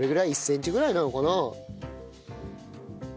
１センチぐらいなのかな？